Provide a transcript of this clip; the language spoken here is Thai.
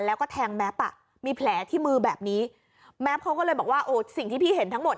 แล้วก็แทงแม็ปอ่ะมีแผลที่มือแบบนี้แม็ปเขาก็เลยบอกว่าโอ้สิ่งที่พี่เห็นทั้งหมด